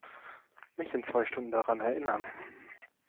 Mich in zwei Stunden daran erinnern.